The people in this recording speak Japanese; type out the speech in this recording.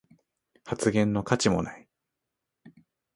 発言の価値もない